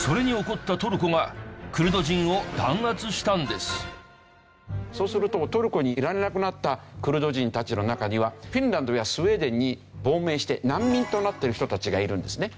それに怒ったそうするとトルコにいられなくなったクルド人たちの中にはフィンランドやスウェーデンに亡命して難民となってる人たちがいるんですね。